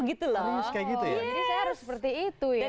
jadi saya harus seperti itu ya mungkin